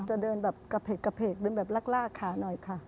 จะเดินแบบกระเพกกระเพกเดินแบบลากขาหน่อยค่ะ